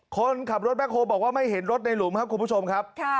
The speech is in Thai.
คนขับรถแบ็คโฮบอกว่าไม่เห็นรถในหลุมครับคุณผู้ชมครับ